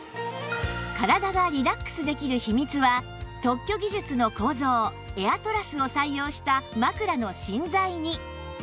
体がリラックスできる秘密は特許技術の構造エアトラスを採用した枕の芯材に